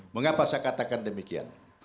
mengapa saya katakan demikian